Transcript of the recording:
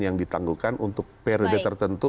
yang ditanggungkan untuk prd tertentu